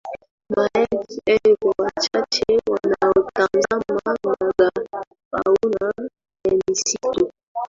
maelfu elfu wachache wanaotazama megafauna ya misitu